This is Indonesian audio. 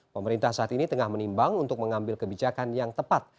pemerintah saat ini tengah menimbang untuk mengambil kebijakan yang tepat